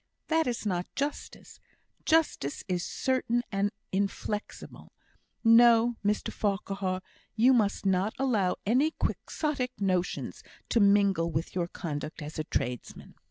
"That is not justice justice is certain and inflexible. No! Mr Farquhar, you must not allow any Quixotic notions to mingle with your conduct as a tradesman."